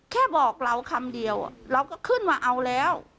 แค่บอกเราคำเดียวเราก็ขึ้นมาเอาแล้ว